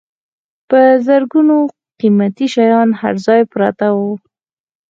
په زرګونو قیمتي شیان هر ځای پراته وو.